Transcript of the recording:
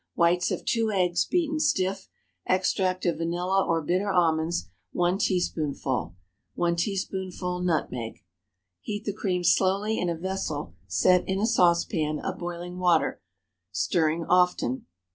Whites of two eggs, beaten stiff. Extract of vanilla or bitter almonds, one teaspoonful. 1 teaspoonful nutmeg. Heat the cream slowly in a vessel set in a saucepan of boiling water, stirring often.